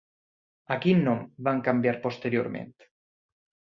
A quin nom van canviar posteriorment?